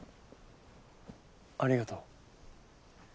ありがとう。